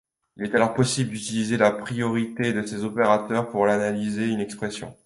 Il est alors possible d'utiliser la priorité de ces opérateurs pour analyser une expression.